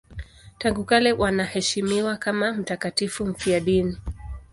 Tangu kale wanaheshimiwa kama mtakatifu mfiadini.